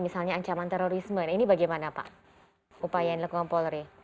misalnya ancaman terorisme ini bagaimana pak upaya yang dilakukan polri